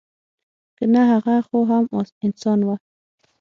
که نه هغه خو هم انسان وه.